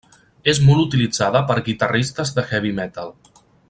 És molt utilitzada per guitarristes de heavy metal.